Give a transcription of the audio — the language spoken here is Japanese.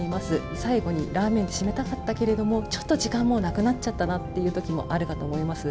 最後にラーメンで締めたかったけど、ちょっと時間もなくなっちゃったなというときもあるかと思います。